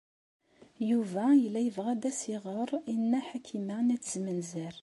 Yuba yella yebɣa ad as-iɣer i Nna Ḥakima n At Zmenzer.